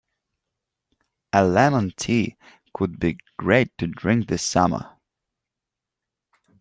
A lemon tea could be great to drink this summer.